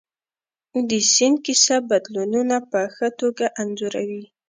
د سیند کیسه بدلونونه په ښه توګه انځوروي.